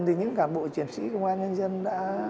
thì những cán bộ chiến sĩ công an nhân dân đã